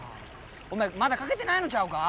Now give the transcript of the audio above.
お前まだ描けてないのちゃうか。